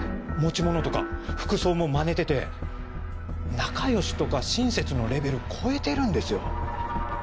持ち物とか服装もまねてて仲良しとか親切のレベル超えてるんですよ。